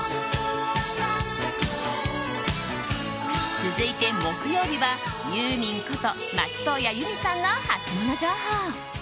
続いて木曜日は、ユーミンこと松任谷由実さんのハツモノ情報。